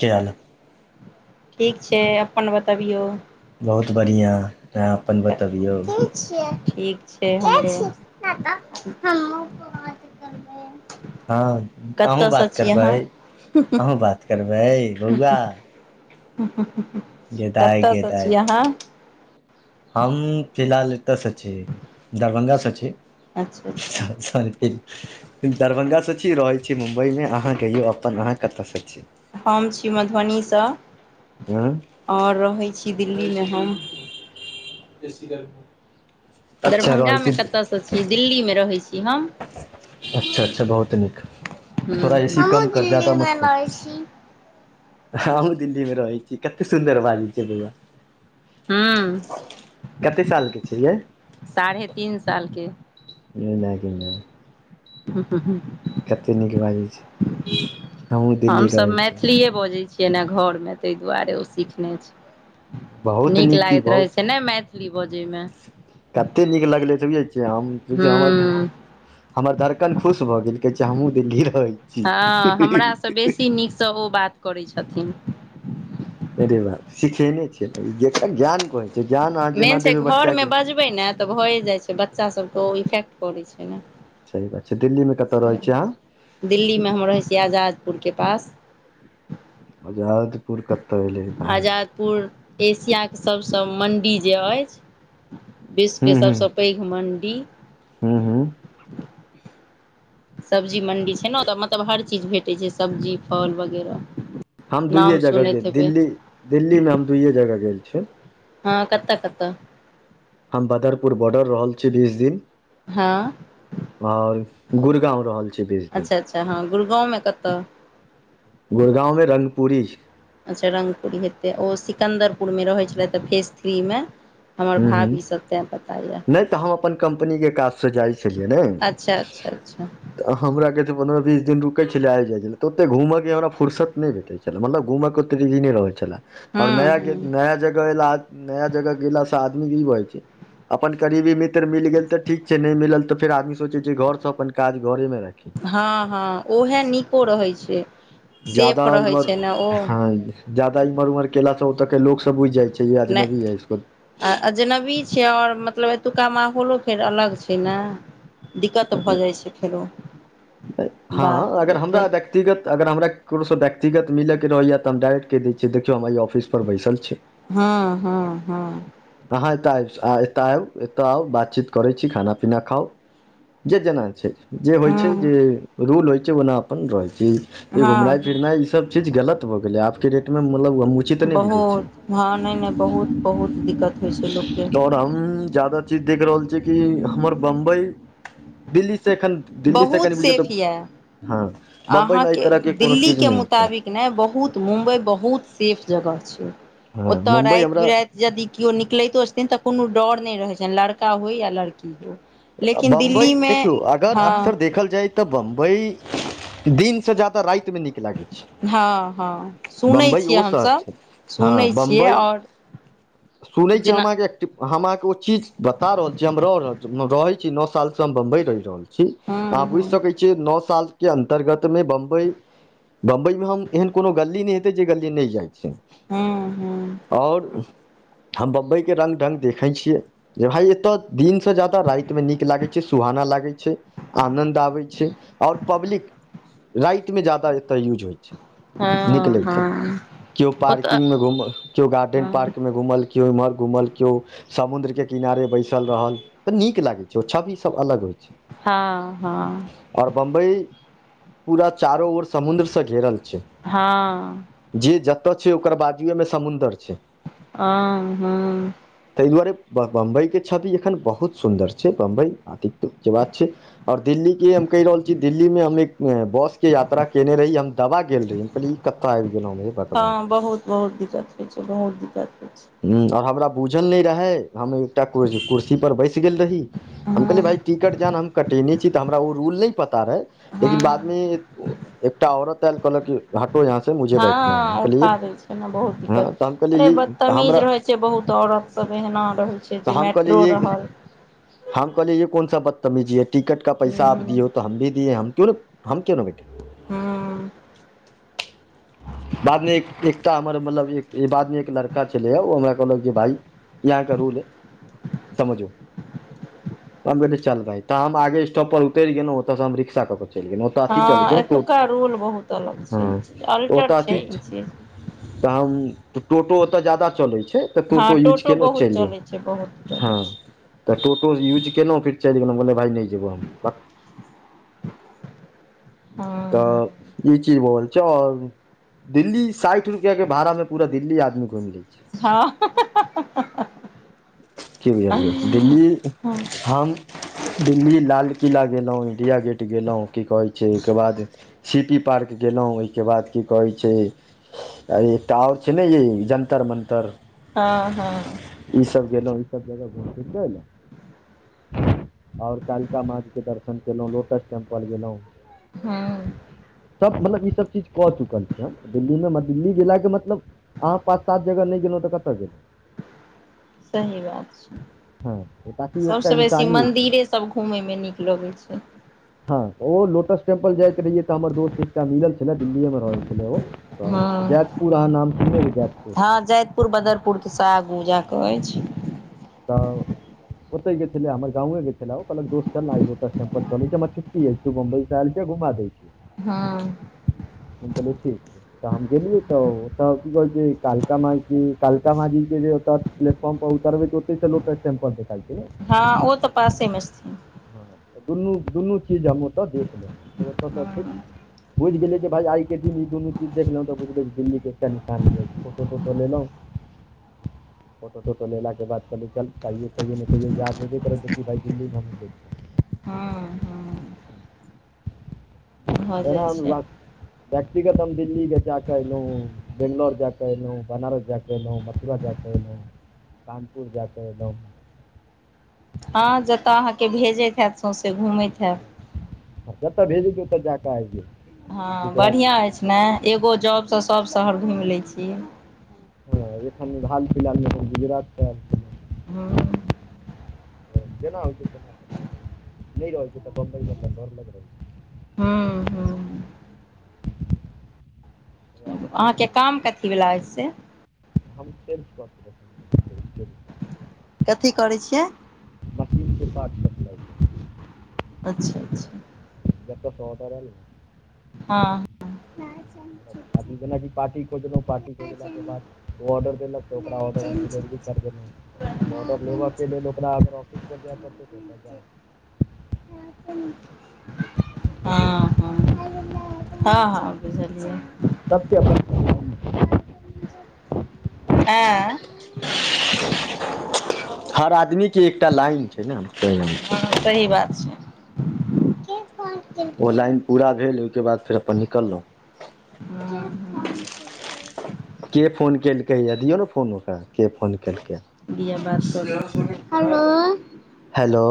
कि हाल ठीक छै अपन बतबियौ बहुत बढ़िआँ अहाँ अपन बतबियौ। छै ठिक छै [unintelligible] हँ अहूँ कतयसँ बात छी करबै अहाँ अहूँ बात करबै बौआ ' कतेयसँ गेदाइ छीयै अहाँ हम फिलहाल एतयसँ छी दरभंगा सँ छी अच्छा अच्छा स फ [unintelligible] दरभंगासँ छी रहै छी मुम्बइमे अहाँ कहियौ अपन अहाँ कतयसँ छी हम छी मधुबनीसँ हँ आओर रहै छी दिल्लीमे हम ' ससी ग [unintelligible] दरभंगा मे कतयसँ छी दिल्ली मे रहै छी हम हमहू हँ अच्छा अच्छा बहुत नीक थोड़ा हं ए सी हमहु कम कर जादा दिल्ली मत में कर लहे छी [unintelligible] हमहूँ दिल्लीमे रहै छी कतेक सुन्दर बाजै छै बौआा हूँ कते साल के छै यै साढ़े तीन सालके नय मैगे मै [unintelligible] ह हंऽ हं [unintelligible] कते नीक बाजे छै हमहुँ हम दिल्ली सब रहै छी मैथिलीए बजे छियै ने घर मे तेय दुआरे ओ सीखने छै बहुत नीक की लागैत रहे बहुत छै नहि मैथिली बजैमे कते नीक लगलै सेबिझै छियै हमझिय हमर हूँ हमर धड़कन खुश भऽ गेल केहे छै हमूँ दिल्ली रहै छी हँ हमरासँ बेसी नीकसँ ओ बात करैत छथिन। अरे बाप सिखेने छिय न जेकरा ज्ञान कहै छै ज्ञान अहाँ जेना देबै बच्चा के करबै ने तऽ भए जाइ छै बच्चा सबके ओ इफेक्ट पड़ै छै ने सही बात छै दिल्ली मे कतय रहै छीये अहाँ दिल्लीमे हम रहैत छी आजाद पुरके पास आजादपुर कतहु एयलै भाह पूर्व एशियाक सबसँ मण्डी जे ऐछ विश्वके हूँ हूँ सभसँ पैघ मण्डी हूँ हूँ सब्जी मंडी छै ने ओ तऽ मतलब हर चीज भेटै छै सब्जी फल वगैर हम दुूइए जगह गेल दिल्ली दिल्लीमे हम दुइए जगह गेल छिये हँ कतेऽ कतेऽ हम बदरपुर बॉर्डर रहल छी बीस दिन हँ और गुड़गांव रहल अछि अच्छा अच्छा हँ गुरुगाँवमे कतय ' गुड़गांव मे रगपुरी अच्छा रङ्गपुरी हेतै ओ सिकन्दरपुरमे रहैत छले तऽ फेस थ्रीमे हमर हूँ हूँ भाभी सब तें पता य नहि तऽ हम अपन कम्पनीके काजसँ जाइ छलियै ने अच्छा अच्छा अच्छा तऽ हमरा कहे छै पन्द्रह बीस दिन रुकै छलै आब जाइ छल तऽ ओते घुमके हमरा फर्सत नहि भेटै छै मतलब घुमक केत नहि रहै छल आओर हूँ नय हूँ नया जगह एला नया जगह गेला से आदमीे ई बै छै अपन करीबी मित्र मिल गेल तऽ ठीक छै नहि मिलल तऽ फेर आदमी सोचै छै घर ता सब अपन काज घरे मे राखी हँ हँ ओहा नीको रहै छै जादा सेफ रहै इम्हर छै ने ओ हँ जदा इम्हर उम्हर केलासा ओत के लोक सब बझि जाइ छै य आजनवी ह इसको आजनबी छै आओर मतलब एतुका माहौल फेर अलग छै ने दिक्कत भऽ जाइ छै फेरो हँ बादमे अगर लोकके हमरा देखते व्यक्तिग अगर हमरा ककरोसँ व्यक्तिगत मिलै रहैए तऽ हम डायरेक्ट दै छियै देखिय हमरा एहि ऑफिसमे पर बैसल छै हँ हँ हँ अहाँ एतय आबाँ एतय आउ बातचीत करै छी खाना पीना खाउ जे जेना छै जे होइ छै हँ जे रूल होइ छै ओना अपन रहै छै हँ जे घुमनाइ हँ फिरनाइ ई सब चीज गलत भ गेलै आबके रेट मे मतलब चितने बुझै छै बहुत हँ नहि नहि बहुत बहुत दिक्कत होइ छै लोकके तऽर हम जाद [unintelligible] चीज देख रहल छी कि हमर बम्बई दिल्ली से एखन दिल्ली से कनि बहुत बुझियौ तऽ सेफ यऽ हँ बम्बइमे एहि अहाँके तरहके कोनो दिल्ली चीज के नहि होतै मुताबिक किनय बहुत मुबई बहुत सेफ जगह छै हँ ओतय मुम्बइ रायत हमरा बिरायत जदि केओ निकलैतो छथिन तऽ कोनो डर नहि रहै छनि लड़का होय या लड़की होय बम्बई देखियौ अगर अक्सर देखल जाय त बम्बई दिनसँ ज्यादा राति मे निक हँ हँ सुनै बम्बई ओ छियै हम शहर सब छै हँ सुनै छियै बम्बई ओर सुनै छी हम अहाँके एक हम अहाँके ओ चीज बता रहल छी हम रह रहल रहे छी नओ साल से हम बंबई रहि रहल छी छी हँ अहाँ बुझ हँ सकै छियै नओ साल के अन्तर्गत मे बम्बई बम्बइमे हम एहन कोनो गली नहि हेतै जे गली नहि जाइ, हँ हँ आओर हम बम्बई के रंग ढंग देखे छीये जे भाय एतय दिन से जा राति मे नीक लागै छै सुहाना लागै छै आनंन्द आबै छै आऔर पब्लिक रातिमे जादा एतय यूज होइ छै हँ निकलै छै हँ केओ ओतऽ पार्किंग मे घुमल केओ गार्डेन हँ पार्क मे घूमल केयो इम्हर घूमल्यो समुद्र के किनारे बैसल रहल तऽ नीक लागे छै छवि सब अलग होइ छै हँ हँ और बम्बई पूरा चारो ओर समुद्र से घेरल छै, हँ जे जतऽ छै ओकर बाजूए मे समुन्दर छै अह हँ तेय दुआरे बम्बई के छवि एखन बहुत सुन्दर छै बम्बई आतित्व के बात छै आओर दिल्ली के हम कहि रहल छी दिल्ली मे हम एक बस के यात्रा केने रही हम दवा गेले रहि हम कहले ई कतय आबि गेलौ ब हँ बहुत बहुत दिक्कत बहुत दिक्कत होइ छै ह आओर हमरा बूझल नहि रहे हम एकटा कुर्सी पर बैस गेल रही हम कहलिये भाय हँ टिकट जहन हम कटेने छी तऽ हमरा ओ रूल नहि पता रहै लेकिन हँ बादमे एकटा औरत आल कहलक कि हँ उठा दै छै ने बहुत हँ तऽ हम दिक्कत कहलियै तऽ बदतमीज हमरा रहै छै बहुत औरत सब एहिना रहै छै तऽ जे हम मेट्रो कहलियै ये रहल हम कहले ये कोन सा बदतमीजी है टिकट का पैसा आप हूँ दिये हो हम भी दियए हम को ने हम क्योन बैठे हूँ बादमे एक एकटा हमर मतलब एक ई बाद मे एक लड़का छलै ह ओ हमरा कहलक जे भाय यहाँ का रूल है समझो तब कहे चल भा त हम आगे स्टॉप पर उतैर गेलहु ओतऽ स हम रिक्शा क लेकिन ओ अथी च हँ छै एतुका रूल बहुत अलग छै हँ त ओ अल्टर छै अथी ई चीज तऽ हम तऽ टोटो ओतऽ जादा चलैत छै तऽ हँ टोटो यूज केेलौ बहुत चैल जय चलै छै बहुत हँ चलै छै तऽ टोटो यूज केलहुँ फिर चलि गेलहुँ कहलै भइ नहि जेब हम हँ हँ तऽ ई चीज बल छै आओर दिल्ली साठि रुपैआ के भाड़ा मे पूरा दिल्ली आदमी घुम ली कि बुझलियै हँ दिल्ली हम दिल्ली लाल किला गेलहुँ इं्डिया गेट गेलहुँ की कहैत छै के बाद सी पी पार्क गेलहुँ ओहिके बाद की कहै छै आ एकटा आओर छै ने ई जन्तर मंतर हँ हँ ई सब गेलहुं ई सब जगह घुम बुझलिय ने [unintelligible] और कालिका माँ के दर्शन केलहु लोटस टेम्पल गेलहुँ हँ सभ मतलब ईसभ चीज कऽ चुकल छी हम दिल्लीमे दिल्ली गेलाके मतलब अहाँ पाँच सात जगह नहि गेलहुँ तऽ कत गेलहुँ सही बात छै हँ ताकि सबस एकटा बेसी निशानी होइ छै मंदिरे सब घूमय मे नीक लगै छै हँ ओ लोटस टेम्पल जाइ रहियै तऽ हमर दोस्त एकटा मिलल छलै दिल्लीएमे रहै हँ हेलोजैतपुर अहाँ नाम सुनै जैतपुर पूुरबदरपुर केसँ आगू जाकऽ अछि तब ओतै ग गेल छले हमर गांव ग गेल छले ओ कहलक दोस चल न लोटसटेमपल चल हमर छुटी तू मुंबईसँ आहल घुमा दै छी हँ हम कहलियै ठीक छै तऽ हम गेलियै तऽ ओतऽ की कहै छै कालका मा कालका माझी के जे ओतऽ प्ेटफॉर् पर उतबै त ओतहिसँोटम्पल देखा छै हँ ओ तऽ पासेमे छथिन हँ तऽ दुनू दुनू चीज हम ओतऽ देख लेलौ फेर ओतयसँ फिर बुझि गेले जे भाय आइ के दिन ई दुनू चीज देखलहुं तऽ बुझले दिल्ली के क निशान फोटो तोटो लेलोँ [inaudible] फोटो ोटो लेला के बाद कहलै चलहिय कहियो नहि कहियो याद हब कर छै कि भ दिल्लीमे हमहूँ जायै हँ हँ भऽ एना जाइ हम छै व व्यक्तिगत हम दिलली जाकल बेंगलोर जाक न बनारस जाक एलहुँ मथुरा जाकऽ एलहुँं कानपुर जाकऽ एलहुँ हँ जतऽ अहाँके भेजैत हयैत सौँसे घुमैत हैत ह जतऽ भेजे छै ओतऽ जा कऽ आइे हँ बढ़िआँ अछि ने एगो जॉबसँ सभ शहर घुम लै छीयै हँ ए भाल छल गुजराट [inaudible] हँ जेना आच त [unintelligible] नहि रह छै तऽ बम्बइ मना डर लग रहै छै [inaudible] हँ हँ छै अहाँ अहाँके सुनबियौ काम कथी वला येछ से हम सब [unintelligible] कथी करै छियै ' िपार्मेट [unintelligible] अच्छा अच्छा तऽ सहत रह ने [unintelligible] हँ हँ ी जेनाजी पार्ी [unintelligible] खोजल पाटी हँ खोजलाक के बाद ओ ऑर्डर देलक तऽ ओकरा ऑर्डर हम डिलिवरी कर देलहुँ आ ऑर्डर लेबे लेल ओकरा अगर ऑफिस पर जाय पड़तै त ओ जाउ बुझलिए हँ हँ हँ हँ बुझलियै तप्यब [unintelligible] हँ [unintelligible] हर आदमीके एकटा लाइन छै ने ते हँ सही बात छै ओ लाइन पूरा भेल ओके बाद फेर अपन निकलहुँ हँ हँ के फोन केलकै य दियौ ने फोन ओकरा के फोन केलकै, दिया बात करू हेलो हेलो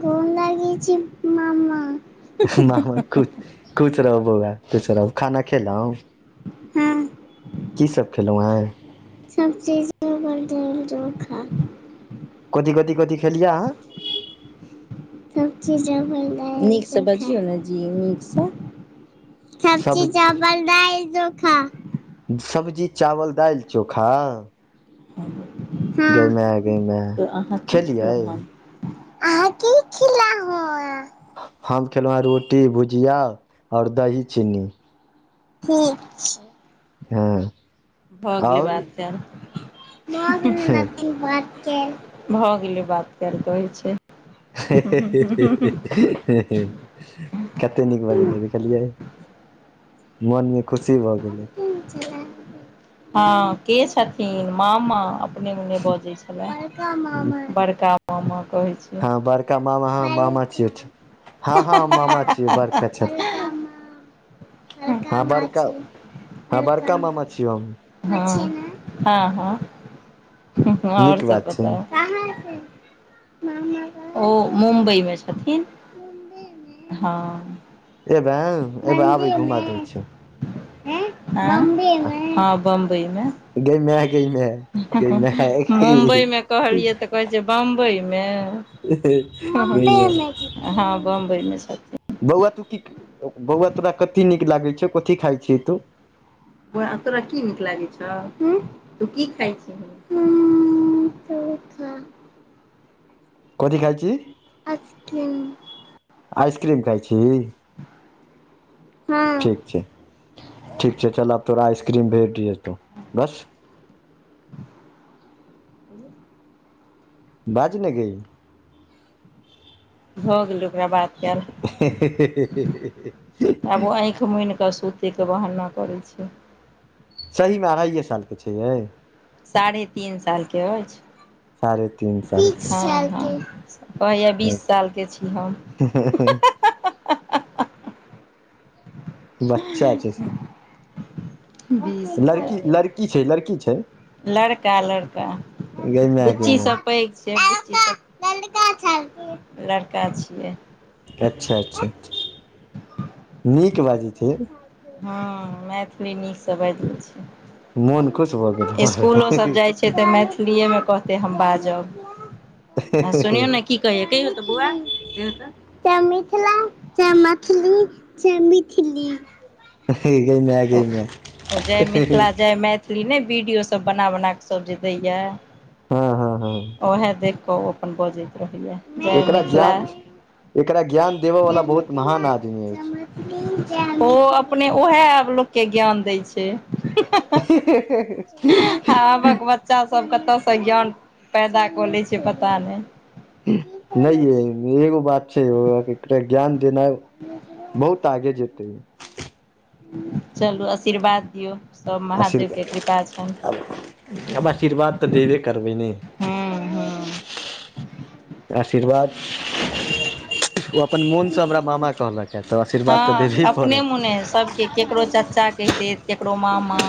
गोर लागै छै मामा खुश खुश रहू बौआ खुश रहू खाना खेलौ हु खेलौँ हँ सब चीज द खा [unintelligible] कथी कथि कथि खेलिह अहाँ ' नीकसँ बजियौ ने जी नीकसँ [unintelligible] सब्जी सब चावल दालि जोखा सब्जी चावल दालि चोखा ' गै माय तऽ अहाँ च छलल खेलियै ह [unintelligible] अहाँ की खेलौ हन हम खेलहँ हेँ रोटी भुजिया और दही चीन्नी ठीक छै हँ भऽ गेलै आओर बात ते [unintelligible] भऽ गेलै बात करऽै छै [unintelligible] [unintelligible] कते नीक बजले देखलियै मनमे खुशी भऽ गेलै अखन हँ के छथिन मामा अपने मोने बजै छथि मामा बड़का मामा कहै हँ बड़का मामा हँ छीये मामा छियै हँ हँ मामा छियै बड़का बड़का हँ मामा बड़का छियै हँ बड़का मामा छीयो हम ह हँ हँ ओर नीक सब बात छै बताउ [unintelligible] ओ मुम्बइमे छथिन [unintelligible] हँ एबें एबा आबै घुमा दै छौ हँ बम्बई मे हँ बम्बई मे गय मै गयमै मुम्बइमे कहलियै तऽ कहै छै बम्बईमे माय हँ बम्बई मे छथ बौआ तू की बौआ तोरा कथि नीक लागै छौ कथी खाय छिय तू बोआ तोरा की नीक लागै छौ तू की खाय छिहिं कथी खाइ छी अछिथिम आइसक्रीम खाय छीइ हँ ठीक छै चल आब तोरा आइसक्रीम भेट जेतौ बस क [unintelligible] [unintelligible] बाज न गय भ गेलै ओकरा बात कैल [inaudible] [inaudible] आब ओ आँखि मुनिकऽ सूतीके बहाना करै छै सहीमे अढ़ाइयए सालके छै यै साढ़े तीन सालके अछि साढ़े तीन साल हं के हं कहिया बीस साल के छी हम ह हं बच्चा छै बीस लड़की साल लड़की छै लड़की छै लड़का लड़का गै माय गै बुच्ची माय सब पैग छै बुची स लड़का छियै अच्छा अच्छा नीक बाजै छैये हँ मैथिली नीकसँ बाजै लय छै मोन खुश भ गेल हमर ऐते मैथिली ये में कहतय हम बाजब आ सुनियो ने की कहैै कहियो तऽ बुआ कहियौ त च मिथिला च मथिली च मिथिली अहै गई मै ओ गई मै हे फिमें वीडियो सब बना बना कऽ सब जे दैए हँ हँ हँ ओएह देख कऽओ अपन बजैत रहैया जय एकरा मिथिला ज्ञान एकरा ज्ञान देबऽ वाला ज बहुत महान मिथिला आदमी अछि ज म ओ अपने उएह लोकके ज्ञान दै छै हँ आबक वत बच्चा सब कतऽसँ ज्ञान पैदा कऽ लै छै पता नहि की करै नहि छी य एगो बात छै ओकरा ज्ञान देनाय ह [unintelligible] [unintelligible] बहुत आगे जेतै चलू अशीर्वाद दियौ सब महादेव अशीर्क के कृपा छनि अब अशीर्वाद तऽ देबे करबे नहि हूं हूं आशीर्वाद ओ अपन मोनसँ हमरा मामा कहलक किए तऽ आशीर्वाद तऽ देबहे पड़त नै सब के केकरो चाचा कहि देत केकरो मामा